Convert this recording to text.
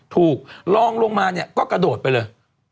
ถูกลองลงมาก็กระโดดไปเลย